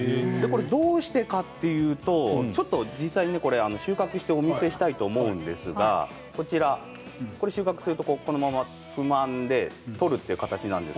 どうしてかというと実際に収穫してお見せしたいと思うんですが収穫するとこのままつまんで取るという形なんです。